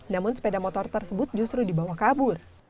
namun sepeda motor tersebut justru dibawa kabur